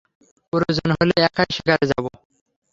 প্রয়োজন হলে একাই শিকারে যাবো।